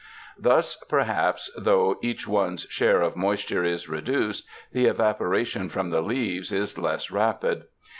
Thus, perhaps though each one's share of moisture is reduced, the evapo ration from the leaves is less rapid.